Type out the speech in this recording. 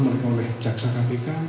mereka oleh jaksa kpk